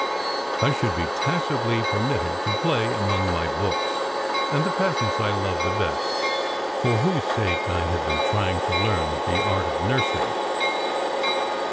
I should be tacitly permitted to play among my books, and the peasants I loved the best, for whose sake I had been trying to learn the art of nursing.